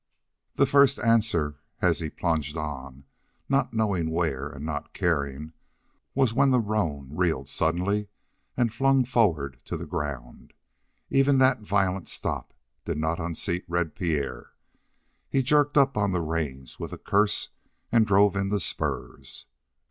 The first answer, as he plunged on, not knowing where, and not caring, was when the roan reeled suddenly and flung forward to the ground. Even that violent stop did not unseat Red Pierre. He jerked up on the reins with a curse and drove in the spurs.